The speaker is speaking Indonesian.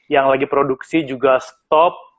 yang lagi produksi juga stop